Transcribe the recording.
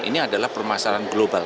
ini adalah permasalahan global